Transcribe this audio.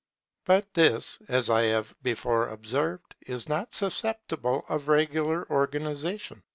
But this, as I have before observed, is not susceptible of regular organization.